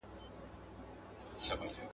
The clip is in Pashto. • زه دي باغ نه وينم، ته وا تارو درغلی.